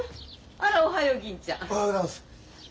おはようございます。